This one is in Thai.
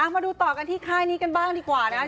มาดูต่อกันที่ค่ายนี้กันบ้างดีกว่านะครับ